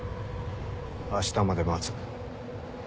明日まで待つ。